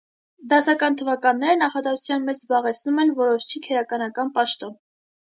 Դասական թվականները նախադասության մեջ զբաղեցնում են որոշչի քերականական պաշտոն։